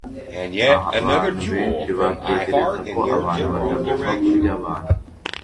Abantu benshi batekereza ko abantu batagomba kurya abantu